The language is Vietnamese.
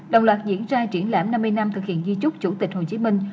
đồng loạt diễn ra triển lãm năm mươi năm thực hiện di trúc chủ tịch hồ chí minh